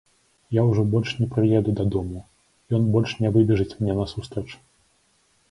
Я ўжо больш не прыеду дадому, ён больш не выбежыць мне насустрач.